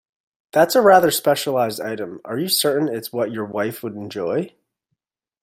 That's a rather specialised item, are you certain it's what your wife would enjoy?